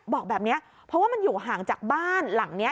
บอกแบบนี้เพราะว่ามันอยู่ห่างจากบ้านหลังนี้